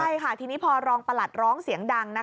ใช่ค่ะทีนี้พอรองประหลัดร้องเสียงดัง